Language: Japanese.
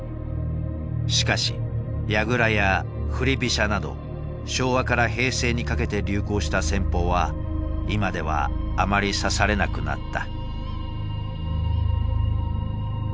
しかし矢倉や振り飛車など昭和から平成にかけて流行した戦法は今ではあまり指されなくなった。